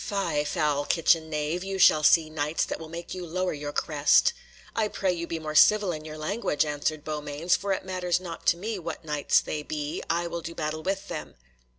"Fie, foul kitchen knave, you shall see Knights that will make you lower your crest." "I pray you be more civil in your language," answered Beaumains, "for it matters not to me what Knights they be, I will do battle with them."